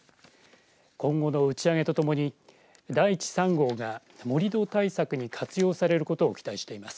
今後の打ち上げとともにだいち３号が盛り土対策に活用されることを期待しています。